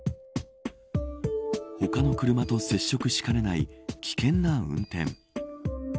他の車と接触しかねない危険な運転。